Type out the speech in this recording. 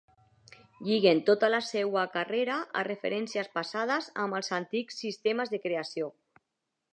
Lliguen tota la seua carrera a referències passades amb els antics sistemes de creació.